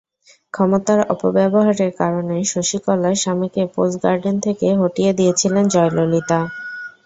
ক্ষমতার অপব্যবহারের কারণে শশীকলার স্বামীকে পোজ গার্ডেন থেকে হটিয়ে দিয়েছিলেন জয়ললিতা।